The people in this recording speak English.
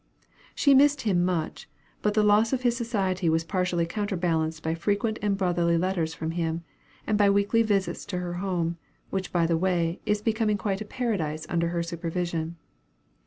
She missed him much; but the loss of his society was partially counterbalanced by frequent and brotherly letters from him, and by weekly visits to her home, which by the way, is becoming quite a paradise under her supervision.